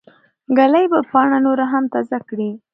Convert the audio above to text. ږلۍ به پاڼه نوره هم تازه کړي.